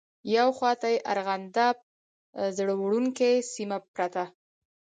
یوه خواته یې ارغنداب زړه وړونکې سیمه پرته.